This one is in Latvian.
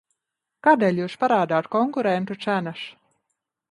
Kādēļ jūs parādāt konkurentu cenas?